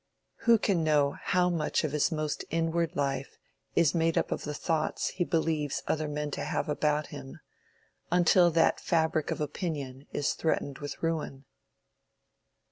Who can know how much of his most inward life is made up of the thoughts he believes other men to have about him, until that fabric of opinion is threatened with ruin?